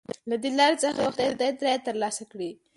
له دې لارې څخه یې غوښتل د تایید رایه تر لاسه کړي.